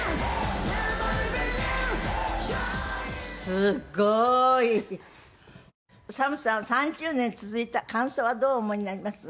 すごい！ＳＡＭさんは３０年続いた感想はどうお思いになります？